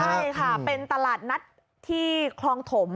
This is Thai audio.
ใช่ค่ะเป็นตลาดนัดที่คลองถม